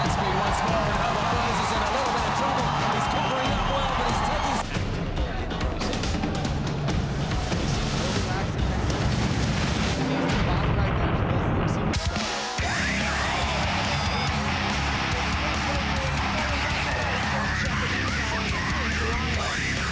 สวัสดีค่ะ